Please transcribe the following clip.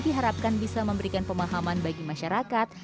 diharapkan bisa memberikan pemahaman bagi masyarakat